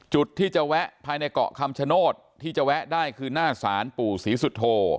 จุดที่จะแวะภายในเกาะคำชโนธที่จะแวะได้คือหน้าศาลปู่ศรีสุโธ